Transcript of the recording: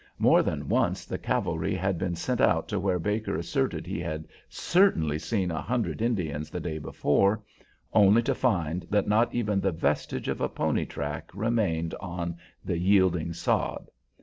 More than once the cavalry had been sent out to where Baker asserted he had certainly seen a hundred Indians the day before, only to find that not even the vestige of a pony track remained on the yielding sod.